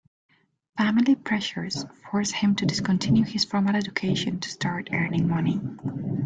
Family pressures forced him to discontinue his formal education to start earning money.